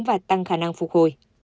và tăng khả năng phục hồi